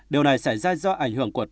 điều này xảy ra do ảnh hưởng của tổ hợp